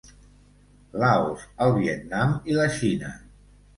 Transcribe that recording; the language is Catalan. Laos, el Vietnam i la Xina.